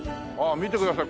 見てください